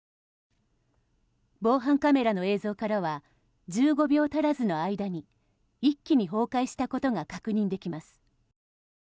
防犯カメラの映像からは１５秒足らずの間に一気に崩壊したことが確認できます。